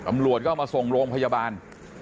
อำรวชมาส่งลบพยาบาล